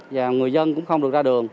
và người dân cũng không được ra đường